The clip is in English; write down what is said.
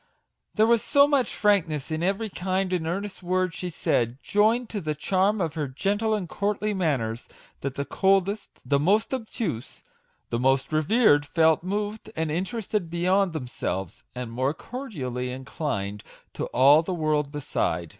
There was so much frankness in every kind and earnest word she said, joined to the charm of her gentle and courtly manners, that the coldest, the most obtuse, the most reserved, felt moved and interested beyond themselves, and more cordially inclined to all the world beside.